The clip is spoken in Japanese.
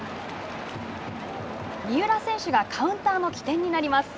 三浦選手がカウンターの起点になります。